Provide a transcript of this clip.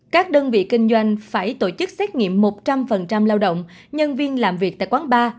các đơn vị kinh doanh phải tổ chức xét nghiệm một trăm linh lao động nhân viên làm việc tại quán bar